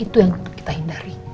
itu yang kita hindari